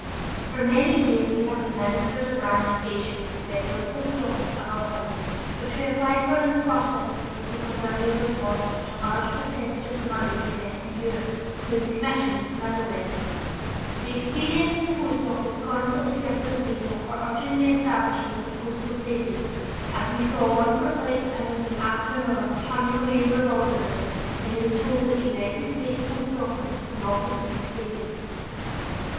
For many years we have administered a branch station of the federal post office at Hull House, which we applied for in the first instance because our neighbors lost such a large percentage of the money they sent to Europe, through the commissions to middle men. The experience in the post office constantly gave us data for urging the establishment of postal savings as we saw one perplexed immigrant after another turning away in bewilderment when he was told that the United States post office did not receive savings.